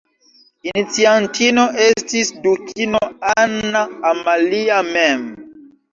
Iniciantino estis dukino Anna Amalia mem.